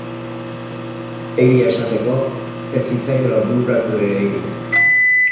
Egia esateko, ez zitzaiola bururatu ere egin.